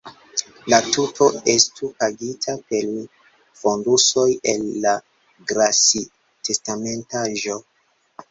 La tuto estu pagita per fondusoj el la Grassi-testamentaĵo.